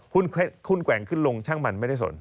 หุ้นแกว่งขึ้นลงช่างมันไม่ได้สน